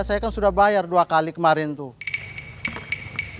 saya kan sudah bayar dua kali kemarin tuh